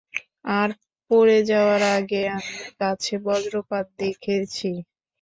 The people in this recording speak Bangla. আর পড়ে যাওয়ার আগে, - আমি গাছে বজ্রপাত দেখেছি।